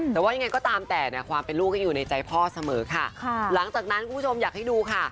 แต่ว่ายังไงก็ตามแต่เนี่ยความเป็นลูกก็อยู่ในใจพ่อเสมอค่ะหลังจากนั้นคุณผู้ชมอยากให้ดูค่ะ